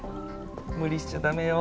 無理しちゃ駄目よ。